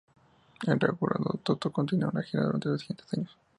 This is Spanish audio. El reagrupado Toto continuó en gira durante los siguientes años.